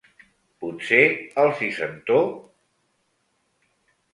Potser el sis-centó?